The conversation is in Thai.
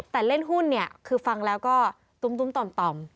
แต่เล่นหุ้นเนี่ยคือฟังแล้วก็ตุ้มต่อม